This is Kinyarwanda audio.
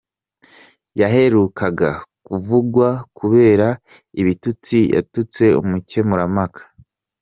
Yaherukaga kuvugwa kubera ibitutsi yatutse umukemurampaka.